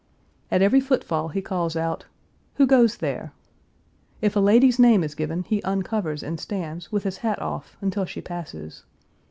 At every footfall he calls out, "Who goes there?" If a lady's name is given he uncovers and stands, with hat off, until she passes.